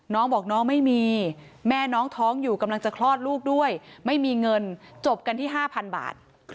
น้องบอกน้องไม่มีแม่น้องท้องอยู่กำลังจะคลอดลูกด้วยไม่มีเงินจบกันที่๕๐๐บาท